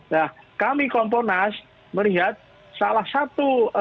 nah kami komponas melihat salah satu